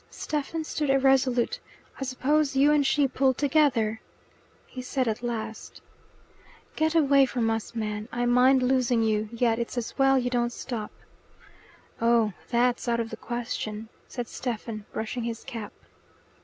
Stephen stood irresolute. "I suppose you and she pulled together?" He said at last. "Get away from us, man! I mind losing you. Yet it's as well you don't stop." "Oh, THAT'S out of the question," said Stephen, brushing his cap.